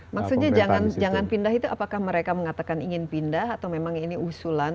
maksudnya jangan pindah itu apakah mereka mengatakan ingin pindah atau memang ini usulan